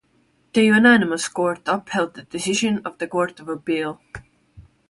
The unanimous Court upheld the decision of the Court of Appeal.